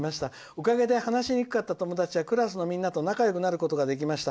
おかげで話しやすくなかった私はクラスのみんなと友達になることができました。